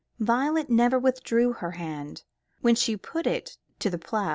Violet never withdrew her hand when she had put it to the plough.